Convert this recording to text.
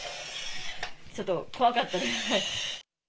ちょっと怖かったです。